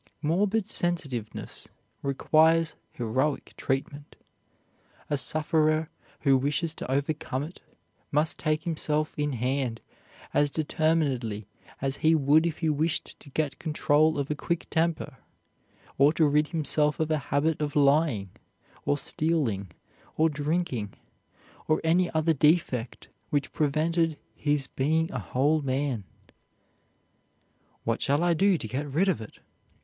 Morbid sensitiveness requires heroic treatment. A sufferer who wishes to overcome it must take himself in hand as determinedly as he would if he wished to get control of a quick temper, or to rid himself of a habit of lying, or stealing, or drinking, or any other defect which prevented his being a whole man. "What shall I do to get rid of it?"